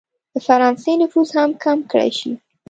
د فرانسې نفوذ هم کم کړه شي.